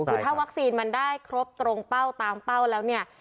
คือถ้าวัคซีนมันได้ครบตรงเป้าตามเป้าแล้วเนี่ย